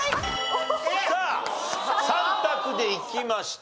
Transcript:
さあ３択でいきました